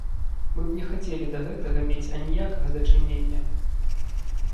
Мы б не хацелі да гэтага мець аніякага дачынення.